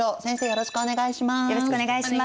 よろしくお願いします。